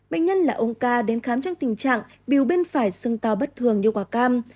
bệnh nhân là ông k đến khám trong tình trạng biểu bên phải xưng to bất thường như quả cam